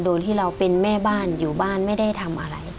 โดยที่เราเป็นแม่บ้านอยู่บ้านไม่ได้ทำอะไร